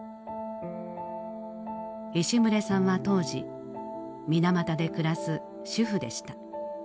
石牟礼さんは当時水俣で暮らす主婦でした。